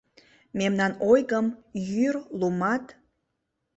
Мемнан ойгым йӱр-лумат